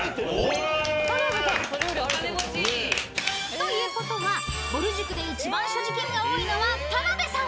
［ということはぼる塾で一番所持金が多いのは田辺さん］